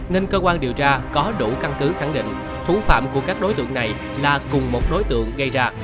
nên cơ quan điều tra có đủ căn cứ khẳng định thủ phạm của các đối tượng này là cùng một đối tượng gây ra